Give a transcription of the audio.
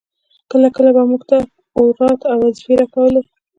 کله کله به يې موږ ته اوراد او وظيفې راکولې.